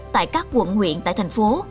tại các quận nguyện tại thành phố